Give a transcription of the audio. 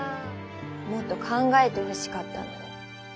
もっと考えてほしかったのに。